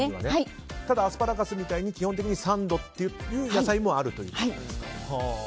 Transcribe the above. ただ、アスパラガスみたいに基本的に３度という野菜もあると。